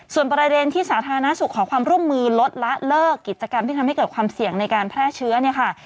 ส่วนประเด็นที่สาธารณสุขขอความร่วมมือลดละเลิกกิจกรรมที่ทำให้เกิดความเสี่ยงในการแพร่เชื้อเนี่ยค่ะ